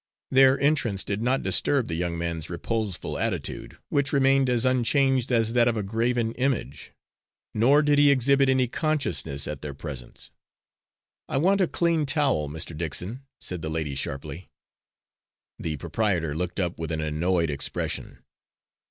Their entrance did not disturb the young man's reposeful attitude, which remained as unchanged as that of a graven image; nor did he exhibit any consciousness at their presence. "I want a clean towel, Mr. Dickson," said the lady sharply. The proprietor looked up with an annoyed expression.